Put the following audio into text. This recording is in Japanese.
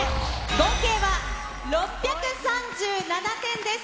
合計は６３７点です。